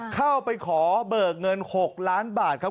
เข้าไปขอเบิกเงิน๖ล้านบาทครับ